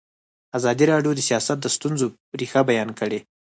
ازادي راډیو د سیاست د ستونزو رېښه بیان کړې.